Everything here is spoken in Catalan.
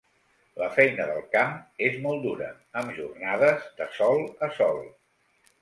La feina del camp és molt dura, amb jornades de sol a sol.